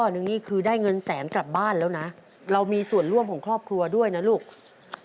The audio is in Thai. ถ้าเกิดว่าเราเป็นคนทำพลาดปั๊บเนี่ย